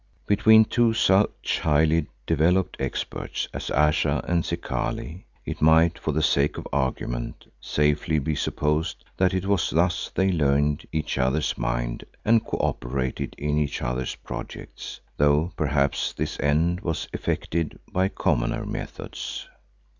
Between two such highly developed experts as Ayesha and Zikali, it might for the sake of argument safely be supposed that it was thus they learned each other's mind and co operated in each other's projects, though perhaps this end was effected by commoner methods.